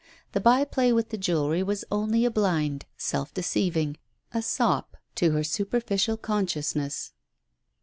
The by play with the jewellery was only a blind — self deceiving, a sop to her superficial consciousness.